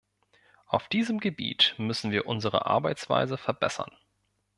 Auf diesem Gebiet müssen wir unsere Arbeitsweise verbessern.